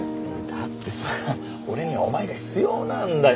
だってさ俺にはお前が必要なんだよ。